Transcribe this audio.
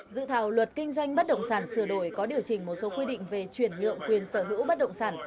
dự thảo luật kinh doanh bất động sản sửa đổi có điều chỉnh một số quy định về chuyển nhượng quyền sở hữu bất động sản